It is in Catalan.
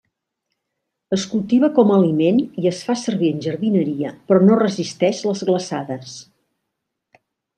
Es cultiva com aliment i es fa servir en jardineria però no resisteix les glaçades.